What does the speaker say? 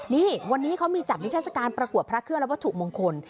นี่วันนี้เขามีจัดนิทัศกาลประกวดพระเครื่องและวัตถุมงคล